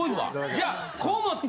じゃあこう持って。